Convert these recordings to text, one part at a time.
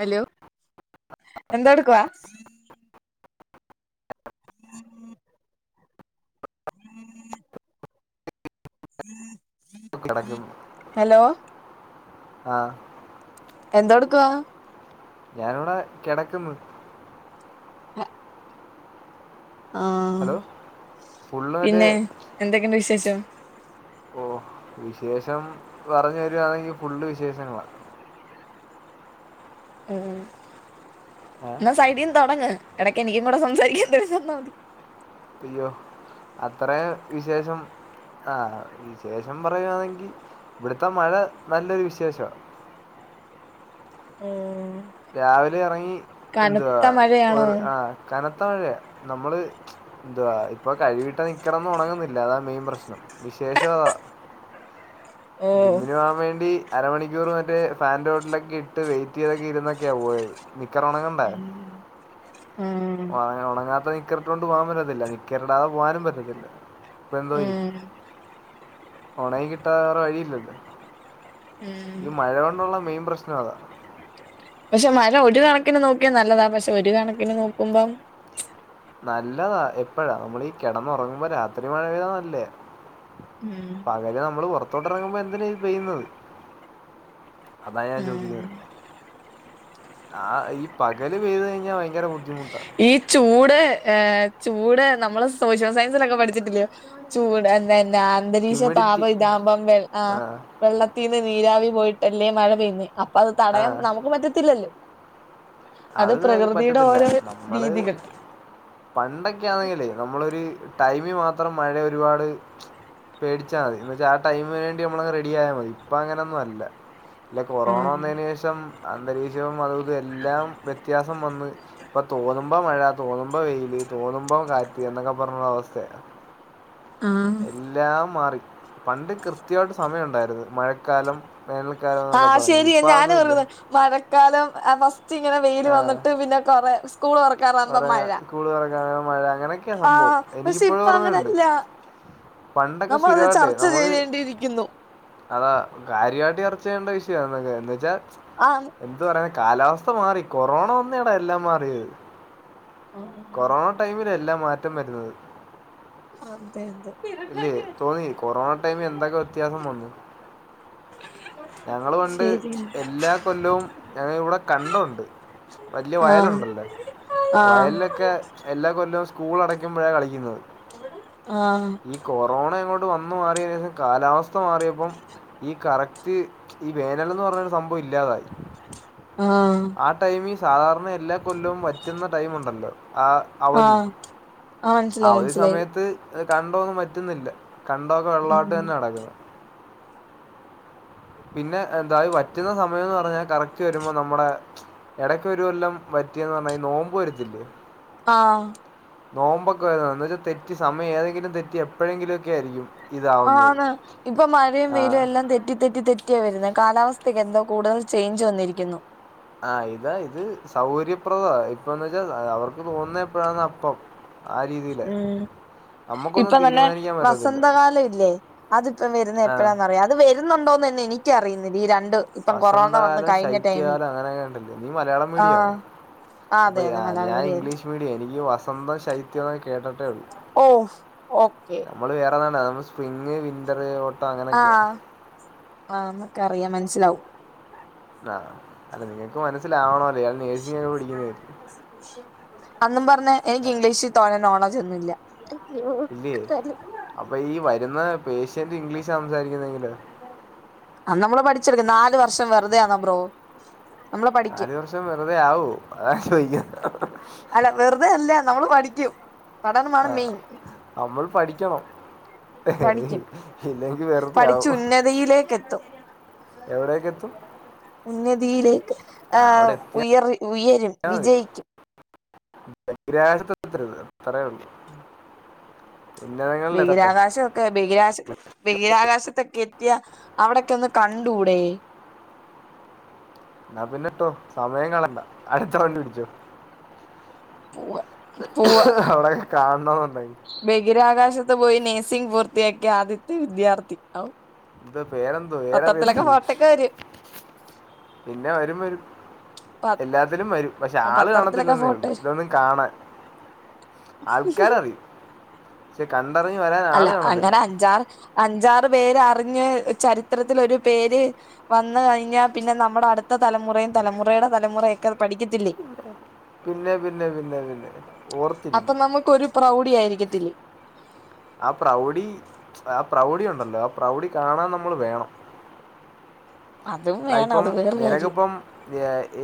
Hello എന്തോ എടുക്കുവാ കിടക്കുന്നു ഹലോ ആഹ് എന്തോടുക്കുവാ ഞാനിവടെ കെടക്ക്ന്നു ഹ ആഹ് ഹലോ ഫുള്ള് മറ്റേ പിന്നെ എന്തൊക്കെയുണ്ട് വിശേഷം ഓഹ് വിശേഷം പറഞ്ഞു വരുവാന്നെങ്കി ഫുള്ള് വിശേഷങ്ങളാ ഉം ഏഹ് എന്നാ സൈഡീന്ന് തുടങ്ങ് എടക്ക് എനിക്കും കൂടെ സംസാരിക്കാൻ എന്തേലും തന്നാമതി അയ്യോ അത്രേം വിശേഷം ആഹ് വിശേഷം പറയുവാന്നെങ്കി ഇവിടുത്തെ മഴ നല്ലൊരു വിശേഷവാ ഉം രാവിലെ ഇറങ്ങി എതുവാ മഴയാണോ ഒരു ആ കനത്ത മഴയ നമ്മള് എന്തുവാ ഇപ്പോ കഴിവീട്ട നിക്കറൊന്നും ഒണങ്ങുന്നില്ല അതാണ് മെയിൻ പ്രശ്നം വിശേഷം അതാ ഓഹ് ജിമ്മിന് പോകാൻ വേണ്ടി അരമണിക്കൂർ മറ്റേ ഫാന്റെ ഹോട്ടിലൊക്കെ ഇട്ട് വെയിറ്റ് ചെയ്തൊക്കെ ഇരുന്ന ക്കെ ഓ യത് ഉം ആ അങ്ങനെ ഉണങ്ങാത്ത നിക്കറിട്ടൊണ്ട് പോകാൻ പറ്റത്തില്ല നിക്കറിടാതെ പോകാനും പറ്റത്തില്ല അപ്പോ എന്തോ ‌ ചെയ്യും ഉം ഉണങ്ങി കിട്ടാതെ വേറെ വഴിയില്ലല്ലോ ഉം ഈ മഴ കൊണ്ടുള്ള മെയിൻ പ്രശ്നം അതാ പക്ഷെ മഴ ഒരു കണക്കിന് നോക്കിയാൽ നല്ലതാ പക്ഷെ ഒരു കണക്കിന് നോക്കുമ്പം നല്ലതാ എപ്പഴാ നമ്മളീ ഈ കിടന്നുറങ്ങുമ്പോ രാത്രി മഴെപെയ്താ നല്ലയ ഉം പകല് നമ്മള് പൊറത്തോട്ടെറങ്ങുമ്പൊ എന്തിനാ ഇത് പെയ്യുന്നത് അതായാൻ ചോ ഉം [unintelligible] ആഹ് ഈ പകല് പെയ്ത് കഴിഞ്ഞ ഭയങ്കര ബുദ്ധിമുട്ട ഈ ചൂട് ഏഹ് ചൂട് നമ്മള് സോഷ്യൽ സയൻസിലെക്കെ പഠിച്ചിട്ടില്ലെ ചൂട്ന്നന്നാ അന്തരീക്ഷ ഹ്യൂമിഡിറ്റി താപം ഇതാവുമ്പം വെൾ ആ ആഹ് വെള്ളത്തീന്ന് നീരാവി പോയിട്ടല്ലെ മഴ പെയ്യ്ന്നെ അപ്പത് ആ തടയാൻ നമുക്ക് പറ്റത്തില്ലല്ലൊ അത് [unintelligible] പറ്റത്തില്ല നമ്മള് രീതികൾ പണ്ടൊക്ക്യാന്നെങ്കിലേ നമ്മളൊരു ടൈമി മാത്രം മഴയൊരുപാട് പേടിച്ചാതി. എന്ന് വെച്ചാ ആ ടൈമിന് വേണ്ടി നമ്മളങ്ങ് റെഡിയായാമതി ഇപ്പ അങ്ങനൊന്നുവല്ല ല്ലെ കൊറോണ വന്നയിന് ശേഷം അന്തരീക്ഷവും അതുവിതു എല്ലാം വ്യത്യാസം വന്ന് ഇപ്പ തോന്നുമ്പ മഴ തോന്നുമ്പ വെയില് തോന്നുമ്പം കാറ്റ് എന്നൊക്കെ പറഞ്ഞ അവസ്ഥയ ആഹ് [unintelligible] എല്ലാം മാറി. പണ്ട് കൃത്യായിട്ട് സമയൊണ്ടാര്ന്ന്. മഴക്കാലം വേനൽക്കാലാന്നൊക്കെ ആഹ് പറഞ്ഞ് ശരിയാ ഇപ്പൊ ഞാനും അതൊന്നുല്ല ഓർക്കുന്ന് മഴക്കാലം ഫസ്റ്റ്ങ്ങനെ വെയില് വന്ന്ട്ട് പിന്നെ കൊറെ സ്കൂള് തൊറക്കാനാമ്പ മഴ സ്കൂള് തൊറക്കാനാം മഴ അങ്ങനക്കെയ സംഭവം. ആഹ് പക്ഷെ എനിക്കിപ്പഴും ഇപ്പൊ ഓർമ്മയൊണ്ട് അങ്ങനല്ല പണ്ടക്കെ നമ്മളത് സ്ഥിരവായിട്ടെ ചർച്ച നമ്മക് ചെയ്യേണ്ടിയിരിക്കുന്നു അതാ കാര്യവായിട്ട് ചർച്ച ചെയ്യണ്ട വിഷയ എന്ന് വെച്ചാ ആഹ് എന്ത് പറയുന്ന് കാലാവസ്ഥ മാറി കൊറോണ വന്നേടാ എല്ലാം മാറിയത് കൊറോണ ടൈമിലെല്ലാ മാറ്റം വര്ന്നത് അതെ അതെ ഇല്ലെ തോന്നി കൊറോണ ടൈമി എന്തൊക്കെ വ്യത്യാസം വന്നു ഞങ്ങള് പണ്ട് ശരിയാ എല്ലാ കൊല്ലവും ഞങ്ങള് ഇവടെ കണ്ടൊണ്ട് വല്യ ആഹ് വയലൊണ്ടല്ലൊ ആഹ് വയൽലക്കെ എല്ലാ കൊല്ലവും സ്കൂള അടയ്ക്കുമ്പഴാ കളിക്ക്ന്നത് ആഹ് ഈ കൊറോണ അങ്ങോട്ട് വന്ന് മാറിയതിനേഷം കാലാവസ്ഥ മാറിയപ്പൊ ഈ കറക്റ്റ് ഈ വേനലെന്ന് പറഞ്ഞൊരു സംഭവം ഇല്ലാതായി ആഹ് ആഹ് ടൈമി സാധാരണ എല്ലാ കൊല്ലോം വറ്റ്ന്ന ടൈമുണ്ടല്ലൊ ആഹ് അവധി ആഹ് ആഹ് മനസ്സിലായി അവധി മനസ്സിലായി സമയത്ത് ത് കണ്ടവൊന്നും വറ്റ്ന്നില്ല. കണ്ടവൊക്കെ വെള്ളവായിട്ട് ഉം തന്നാ കെടക്ക്ന്നെ പിന്നെ എന്താ ഈ വറ്റ്ന്ന സമയംന്ന് പറഞ്ഞാ കറക്റ്റ് വരുമ്പം നമ്മ്ടെ എടയ്ക്കൊരു കൊല്ലം വറ്റിയെന്ന് പറഞ്ഞ ഈ നോമ്പ് വരത്തില്ലെ ആഹ് നോമ്പൊക്കെ വര എന്ന് വച്ച തെറ്റി സമയം ഏതെങ്കിലും തെറ്റി എപ്പഴെങ്കിലൊക്കെ ആയിരിക്കും ഇതാവുന്നത് ആന്ന് ഇപ്പം മഴയും ആ വെയിലും എല്ലാം തെറ്റി തെറ്റി തെറ്റി തെറ്റിയ വര്ന്നെ കാലാവസ്ഥക്കെന്തൊ കൂടുതൽ ചെയ്ഞ്ച് വന്നിരിക്കുന്നു ആഹ് ഇതാ ഇത് സൗകര്യപ്രദവാ ഇപ്പന്ന് വെച്ച അവർക്ക് തോന്ന്ന്നെ എപ്പഴാന്നാ അപ്പം ആ രീതീലാ ഇപ്പം തന്നെ വസന്തകാലവില്ലെ അതിപ്പം വര്ന്നെ ആഹ് എപ്പഴാന്നറിയ ഇത് വെര്ന്നൊണ്ടോന്നന്നെ എനിക്ക് അറിയ്ന്നില്ല ഈ രണ്ട് ഇപ്പം കൊറോണ വന്ന് വസന്തകാലം കഴിഞ്ഞ ടൈമി ശൈത്യകാലം അങ്ങനെ ഇണ്ടല്ലെ നീ മലയാളം മീഡിയ ആഹ് ആഹ് അപ അതെ അതെ ഞാ മലയാളം ഞാൻ മീഡിയായിരുന്നു ഇംഗ്ലീഷ് മീടിയ എനിക്ക് വസന്തം ശൈത്യൊ കേട്ടിട്ടെ ഉള്ളു ഓഹ് ഓക്കെ നമ്മള് വേറെതാണ്ട നമ്മള് സ്പ്രിങ് വിന്ററ് ആഹ് ആഹ് മ്മക്കറിയ മനസ്സിലാവും ആഹ് അല്ല നിങ്ങക്ക് മനസ്സിലാവണല്ലൊ നേഴ്സിംഗ് പഠിക്ക്ന്നെ അന്നും പറഞ്ഞ് എനിക്കിംഗ്ലീഷി തോനെ നോളജൊന്നുല്ല ഇല്ലേ ത [unintelligible] അപ്പൊ ഈ വരുന്ന പേഷ്യന്റ് ഇംഗ്ലീഷ് സംസാരിക്കുന്നെങ്കിലോ? അ നമ്മള് പഠിച്ചെടുക്കും നാല് വർഷം വെറുതെയാണ് ബ്രോ നമ്മള് പഠിക്കും നല് വർഷം വെറുതെ ആവോ? അതാ ഞാൻ ചോയിക്കുന്നെ അല്ല വെറുതെ അല്ല നമ്മള് പഠിക്കും പഠനമാണ് ആഹ് മെയിൻ അമ്മള് പഠിക്കണം. പഠിക്കും ഇല്ലെങ്കി വെറുതെ പഠിച്ച് ആവും ഉന്നതിയിലേക്ക് എത്തും എവിടെക്കെത്തും ഉന്നതിയിലേക്ക് അവിടെ ആഹ് ഉയറ് ഉയരും വിജയിക്കും ബഹിരാകാശത്തെതര്ത് അത്രേയൊള്ളൂ ബീഹിരാകാശം ബഹിരാശ ബഹിരാകാശത്തൊക്കെ ത്തിയാ അവിടൊക്കെ ഒന്ന് കണ്ടൂടെ? ഞാൻ പിന്നെട്ടോ സമയം കളണ്ട അടുത്ത വണ്ടി പിടിച്ചോ പോവാ അവിടൊക്കെ കാണണന്ന്ണ്ടായിരുനു ബഗിരാകാശത്ത് പോയി നേഴ്സിംഗ് പൂർത്തിയാക്കിയ ആദ്യത്തെ വിദ്യാർത്ഥി എന്തുവാ പേരെന്താ പത്രത്തിലൊക്കെ ഫോട്ടോക്കെ പേരറിയത്തില്ലപിന്നെ വരും വരും വരും എല്ലാത്തിലും വരും പക്ഷെ ആ ആള് പത്രത്തിലൊക്കെ കാണത്തില്ലെന്നേ ഫോട്ടോ ഉള്ളൂ വരും ഇതൊന്നും കാണാൻ ആൾക്കരറിയും ശെ കണ്ടറിഞ്ഞ് വരാൻ അല്ല അങ്ങനെ അഞ്ചാറ് അഞ്ചാറ് പേര് അറിഞ്ഞ് ചരിത്രത്തിലൊരു പേര് വന്ന് കഴിഞ്ഞാ പിന്നെ നമ്മുടെ അടുത്ത തലമുറയും തലമുറയുടെ തലമുറയൊക്കെ പഠിക്കത്തില്ലേ പിന്നെ പിന്നെ പിന്നെ പിന്നെ അപ്പൊ ഓർത്തിരിക്കും നമുക്കൊരു പ്രൗഢി ആയിരിക്കത്തില്ലേ ആ പ്രൗഢി ആ പ്രൗഢി ഉണ്ടല്ലോ ആ പ്രൗഢി കാണാൻ നമ്മൾ വേണം അതും അ വേണം ഇപ്പം അത് വേറെ കാര്യം നിനക്കിപ്പം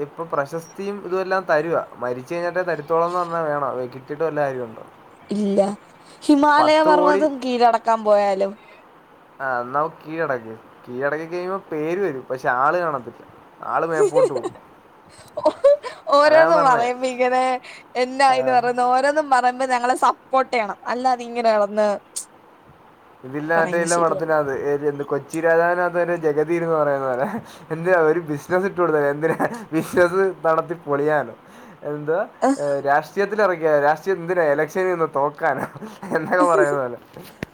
ഇപ്പൊ പ്രശസ്തിയും ഇതുവെല്ലാം തരുവാ മരിച്ച കഴിഞ്ഞിട്ട് തരുത്തോളംന്ന് പറഞ്ഞാൽ വേണോ വെക്കിട്ട് കിട്ടീട്ട് വല്ല കാര്യണ്ടോ ഇല്ല ഹിമാലയ കോടി പർവതം കീഴടക്കാൻ പോയാലോ ആ എന്നാവാ കീഴടങ്‌ കീഴടങ്ങികഴിയുമ്പോ പേര് വെരും പക്ഷെ ആള് കാണത്തില്ല മേപ്പോട്ടുപോവും ഓരോന്നും പറയുമ്പോ ഇങ്ങനെ എല്ലാ ഇന്ന് പറയുന്ന ഓരോന്നും പറയുമ്പോ ഞങ്ങളെ റിപ്പോർട്ട് ചെയ്യണം അല്ലാത ഇങ്ങനെ വന്ന് ഇതില്ലാമറ്റെ ഇല്ല പഠത്തിനകത്ത് എന്ത് കൊച്ചി രാജാവിനകത്ത് ജഗതിവന്ന് പറയുന്ന പോലെ എന്തേ ഒരു ബിസിനസ്സ് ഇട്ടു കൊടുത്താല് എന്തിനാ ബിസിനസ്സ് നടത്തി പൊളിയാനോ എന്താ രാഷ്ട്രീയത്തിൽ ഇറക്കിയ രാഷ്ട്രീയം എന്തിനാ എലക്ഷനിൽ നിന്ന് തോക്കാനോ എന്താണ് പറയാനുള്ളത്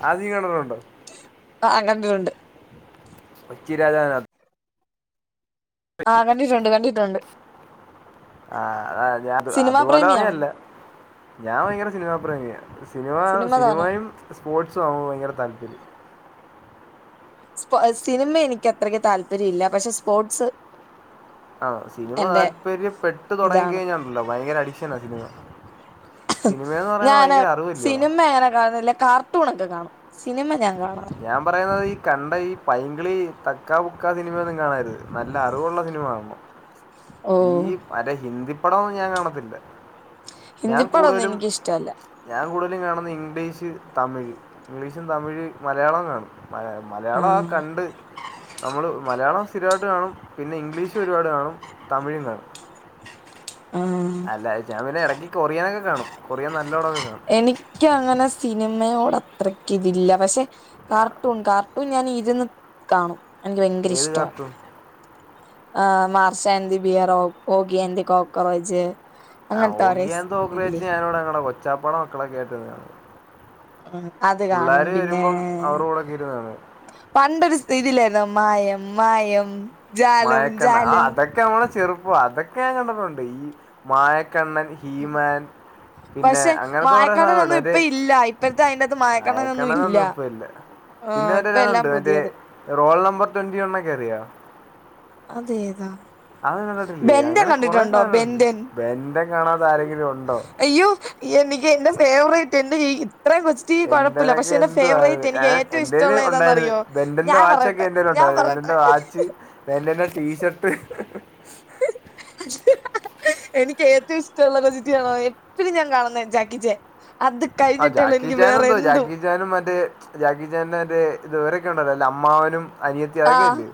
ആദ്യം കണലുണ്ടോ ആ കണ്ട് കണ്ട് കൊച്ചിരാജാവ് ആഹ് കണ്ടിട്ടുണ്ട് കണ്ടിട്ടുണ്ട് ആ സിനിമാ അതുപോലെ പ്രേമിയാണോ പറയല്ല ഞാൻ ഭയങ്കര സിനിമപ്രേമിയാ സിനിമ സിനിമയും സ്പോർട്സും ആണോ ഭയങ്കര താല്പര്യം പ്പ സിനിമ എനിക്കത്രയ്ക്ക്‌ താല്പര്യയില്ല പക്ഷെ സ്പോർട്സ് ആഹ സിനിമ എന്റെ താല്പര്യ പെട്ടു ഇതാണ് തുടങ്ങിക്കഴിഞ്ഞാലുണ്ടല്ലോ ഭയങ്കര അഡിക്ഷനാ സിനിമ സിനിമേന്ന് പറയുന്നത് ഞാന് ഭയങ്കര അറിവല്ലോ [unintelligible] കാണുന്നില്ല കാർ കാർട്ടൂണൊക്കെ കാണും സിനിമ ഞാൻ കാണത്തില്ല ഞാൻ പറയുന്നത് ഈ കണ്ട ഈ പൈങ്ക്‌ളി തക്കാബുക്ക സിനിമയൊന്നും കാണരുത് നല്ല അറിവുള്ള സിനിമ കാണണം. ഓ ഈ മറ്റെ ഹിന്ദി പടംന്നും ഞാൻ കാണത്തില്ല ഞാൻ ഹിന്ദിപ്പടൊന്നും കൂടുതലും എനിക്കിഷ്ടല്ല ഞാൻ കൂടുതല് കാണുന്നെ ഇംഗ്ലീഷ് തമിഴ് ഇംഗ്ലീഷും തമിഴ് മലയാളം കാണും മല മലയാളം ആ ആഹ് കണ്ട് നമ്മള് മലയാളം സ്ഥിരമായിട്ട് കാണും പിന്നെ ഇംഗ്ലീഷ് റ്റ് ഒരുപാട് കാണും തമിഴും കാണും ആഹ് അല്ല ഞാൻ പിന്നെ ഇടയ്ക്ക് കൊറിയനൊക്കെ കാണും കൊറിയൻ നല്ലപടോക്കെ കാണും എനിക്ക് അങ്ങനെ സിനിമയോട് അത്രക്ക് ഇതില്ല പക്ഷെ ഞാൻ കാർട്ടൂൺ കാർ ട്ടുൺ ഞാൻ ഇരുന്ന് കാണും എനിക്ക് ഭയങ്കര ഏത് ഇഷ്ടവാ കാർട്ടൂൺ ആഹ് മാർഷാ ഏൻ്റ് ദി ബിയറോ ഓഗിയാൻ ദി കോക്കറോച്ച് ആഹ് ഓഗിയാൻ ദി കൊക്കറോച്ച് ഞാനിവിടെ ഞങ്ങടെ കൊച്ചാപ്പാടെ മക്കളക്കെ ആയിട്ട് ഇരുന്ന് കാണും ഉം അത് കാണും പുള്ളാര് പിന്നെ വരുമ്പം അവരുടെ കൂടെക്കിയിരുന്ന് കാണും പണ്ടൊരു സി ഇതില്ലാരുന്നോ മായം മായം ജാലം ജാലം ക്കെ നമ്മളെ ചെറുപ്പ അതൊക്കെ ഞാൻ കണ്ടട്ടുണ്ട് ഈ മായക്കണ്ണൻ ഹീമാൻ പിന്നെ പക്ഷെ അങ്ങനത്തെ കൊറെ സാധനംണ്ട് മായക്കണ്ണനൊന്നും മറ്റേ ഇപ്പ ഇല്ല ഇപ്പഴത്തെ അയിന്റെകത്ത് മായക്കണ്ണനൊന്നും മായക്കണ്ണന്നൊന്നും ഇപ്പ ഇല്ല പിന്നെ ആഹ് മറ്റേ ഇപ്പ എല്ലാം ഒരാളുണ്ട് മറ്റേ പുതിയത് റോൾ നമ്പർ ട്വന്റി വൺ ഒക്കെ അറിയാവോ അതെതാ അതൊന്നും കണ്ടിട്ടില്ലേ അങ്ങനെ കൊറെ സാധനോണ്ട് ബെന്റൻ ബെൻ ടെൻ കാണാത്ത ആരെങ്കിലും ഉണ്ടോ അയ്യോ എനിക്ക് എന്റെ ഫേവറേറ്റ് എന്റെ ഇത്രയും കൊച്ച് റ്റി കുഴപ്പില്ല എന്റെനൊക്കെ പക്ഷെ എന്റെ എന്തുവായിരുന്നു ഫേവറേറ്റ് എനിക്ക് ഞാൻ ഏറ്റവും എൻ്റെ ഇഷ്ടള്ള കയ്യിൽ ഉണ്ടായിരുന്നു ഏതാന്നറിയോ ഞാൻ പറയട്ടെ ഞാൻ പറയട്ടെ റ്റ് ബെൻ ടെൻ്റെ ടീഷർട്ട് [unintelligible] എനിക്ക് ഏറ്റവും ഇഷ്ടമുള്ള റെസിറ്റിയാണോ എപ്പഴും ഞാൻ കാണുന്നെ ജാക്കിച്ചാൻ അത് കഴിഞ്ഞിട്ടുള്ളൂ എനിക്ക് വേറെ എന്തും ച്ചാനും മറ്റേ ജാക്കിചാന്റ മറ്റേ ഇവരൊക്കെണ്ടല്ലോ അല്ല അമ്മാവനും അനിയത്തി ആഹ് അതൊക്കെല്ലേ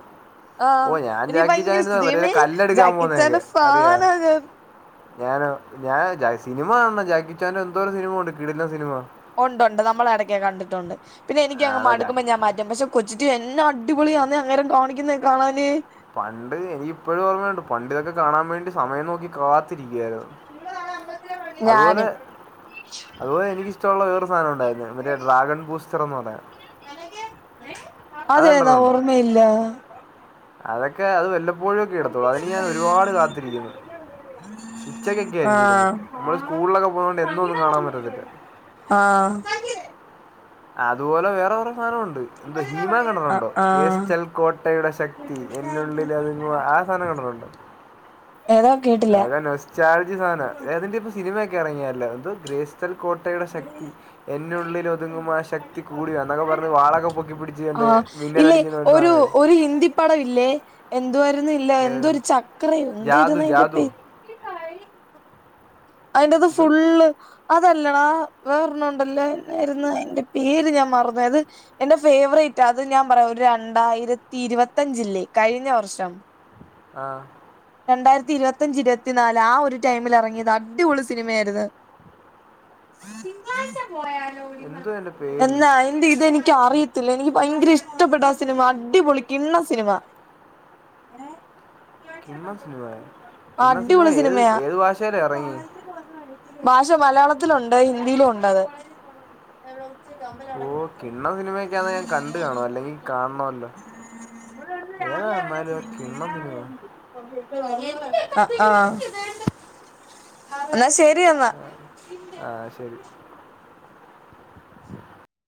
ആഹ് ഓഹ് ഞാൻ എനിക്ക് ഭയങ്കര ജാക്കിച്ചാന്റ ഇഷ്ട മറ്റേ ദൈവമേ കല്ല് എടുക്കാൻ ജാക്കിച്ചാന്റെ പോകുന്നേക്കെ അറിയാവാ ഫാനാ ഞാൻ ഞാനോ ഞാൻ സിനിമ കാണണം ജാക്കിച്ചാന്റ എന്തോരം സിനിമ ഉണ്ട് കീടിലൻ സിനിമ ഒണ്ട് ഒണ്ട് നമ്മള് ഇടക്കങ്ങ് കണ്ടിട്ടുണ്ട് പിന്നെ ആ, എനിക്കങ്ങ് അതാ ജാക്കി മടുക്കുമ്പോം ഞാൻ മാറ്റും പക്ഷെ കൊച്ച്റ്റിവിഎന്നാ അടിപൊളിയാന്ന് അങ്ങേര് കാണിക്കുന്ന ഒക്കെ കാണാന് പണ്ട് എനിക്ക് ഇപ്പോഴും ഓർമ്മയുണ്ട് പണ്ട് ഇതൊക്കെ കാണാൻ വേണ്ടി സമയം നോക്കി കാത്ത് ത്തിരിക്കുവാരുന്ന് അത് പോലെ ഞാനും അതുപോലെ എനിക്ക് ഇഷ്ടമുള്ള വേറെ ഒരു സാധനം ഉണ്ടായിരുന്നു മറ്റേ ഡ്രാഗൺ ബൂസ്റ്റർ എന്ന് പറഞ്ഞ അതെതാ കണ്ടിട്ടുണ്ടോ ഓർമ്മ ഇല്ല അതൊക്കെ അത് വല്ലപ്പോഴൊക്കെ ഇടത്തുള്ളു അതിന് ഞാൻ ഒരുപാട് കാത്തിരിക്ക്ന്ന് ഉച്ചക്കൊക്കെ ആയിരിക്കും ഇടുന്നെ ആഹ് നമ്മള് സ്കൂളിലൊക്കെ പോകുന്ന കൊണ്ട് എന്നും ഒന്നും കാണാൻ പറ്റത്തില്ല ആഹ് അതുപോലെ വേറെകൊറെ കൊറേ സാനം ഒണ്ട് ഹീമാൻ ആഹ് കണ്ടിട്ടുണ്ടോ ആഹ് വേസ്റ്റൽ കോട്ടയുടെ ശക്തി എന്നുള്ളിൽ ഒതുങ്ങുവാ ആഹ് സാധാനം കണ്ടിട്ടുണ്ടോ ഏതാ കേട്ടില്ല അതൊക്കെ നൊസ്റ്റാൾജി സാധന അതിന്റ ഒക്കെ സിനിമയൊക്കെ ഇറങ്ങിയാല്ല എന്തോ ഗ്രേസ് ച്ചൽ കോട്ടയുടെ ശക്തി എന്നുള്ളിലൊതുങ്ങുമാ ശക്തി കൂടിവ എന്നൊക്കെ പറഞ്ഞ് വാളൊക്കെ പൊക്കിപ്പിടിച്ച് ആഹ് ഇല്ലേ ഒരു ഒരു ഹിന്ദി പടവില്ലേ എന്തുവാരുന്ന്ം ഏത് എന്തൊ ഒരു ചക്രയൊ ജാദു എന്തുവരുന്ന് അതിന്റെ ജാദു പേര് അതിന്റത് ഇത് ഫുള്ള് അതല്ലടാ വേറൊരണ്ണോണ്ടല്ലേ എന്നാരുന്നു അയ്ന്റെ പേര് ഞാൻ മാറന്ന് പോയ്‌ അത് എന്റെ ഫേവറേറ്റ. അത് ഞാൻ പറയാം. ഒരു രണ്ടായിരത്തി ഇരുപത്തഞ്ചില്ലേ കഴിഞ്ഞ വർഷം ആഹ് രണ്ടായിരത്തി ഇരുപത്തിഞ്ച് ഇരുപത്തിനാല് ആ ഒരു ടൈമിൽ ഇറങ്ങിയതാ അടിപൊളി സിനിമയായിരുന്നു എന്തോ എൻ്റെ പേര് എന്നായി ടീ ഇതെനിക്ക് അറിയത്തില്ല. എനിക്ക് ഭയങ്കര ഇഷ്ടപ്പെട്ട് ആ സിനിമ. അടിപൊളി കിണ്ണം സിനിമ കിണ്ണൻ സിനിമ കിണ്ണൻ സിനിമ അടിപൊളി ഏത് സിനിമയാ ഏത് ഭാഷയിലാണ് ഇറങ്ങി ഭാഷ മലയാളത്തിലുണ്ട് ഹിന്ദിയിലും ഉണ്ടത് ഓഹ് കിണ്ണം സിനിമയൊക്കെ ക്കെയാന്ന്ഞാൻ കണ്ട് കാണും അല്ലെങ്കി കാണണമല്ലോ ഏതായന്നാലുംആഹ് കിണ്ണം സിനിമ ആഹ് ആഹ് ന്നാ ശരി എന്നാ ആഹ് ശരി